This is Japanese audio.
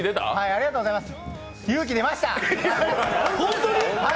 ありがとうございます。